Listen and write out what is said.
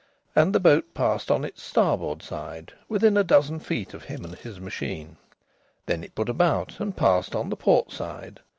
And the boat passed on its starboard side within a dozen feet of him and his machine. Then it put about and passed on the port side.